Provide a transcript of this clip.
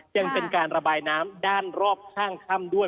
ยังเป็นการระบายน้ำด้านรอบข้างถ้ำด้วย